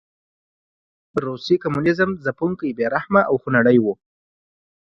روسي کمونېزم ځپونکی، بې رحمه او خونړی و.